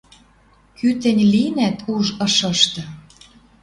Кӱ тӹнь линӓт уж ышышты —